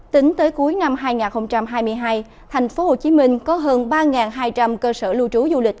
tính tới cuối năm hai nghìn hai mươi hai thành phố hồ chí minh có hơn ba hai trăm linh cơ sở lưu trú du lịch